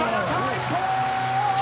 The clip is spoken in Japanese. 一本！